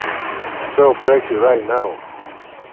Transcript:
So crazy right now.